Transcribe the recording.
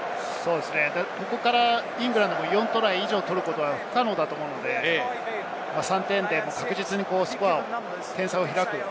ここからイングランドが４トライ以上取ることは不可能だと思うので、３点で確実に点差を開く。